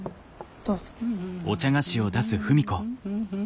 どうぞ。